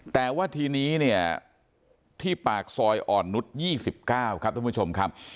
แต่ว่าทีนี้เนี่ยที่ปากซอยอ่อนนุษย์๒๙ครับท่านผู้ชมครับ